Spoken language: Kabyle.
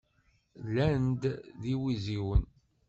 Llan-d d yiwiziwen.